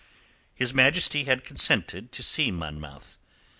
His Majesty had consented to see Monmouth.